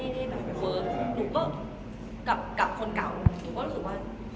แต่หนูรู้สึกว่าแบบ